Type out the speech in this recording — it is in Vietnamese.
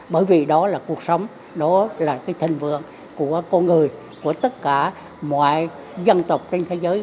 bởi vì đó là cuộc sống đó là cái thành vượng của con người của tất cả mọi dân tộc trên thế giới